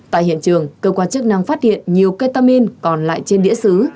tại hiện trường cơ quan chức năng phát hiện nhiều ketamin còn lại trên đĩa xứ